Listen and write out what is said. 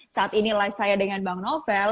saat ini live saya dengan bang novel